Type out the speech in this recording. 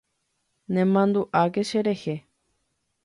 Nemandu'áke cherehe.